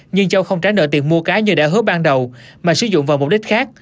nhưng châu không trả nợ tiền mua cá như đã hứa ban đầu mà sử dụng vào mục đích khác